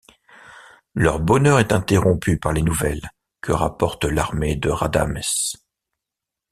Leur bonheur est interrompu par les nouvelles que rapporte l'armée de Radames.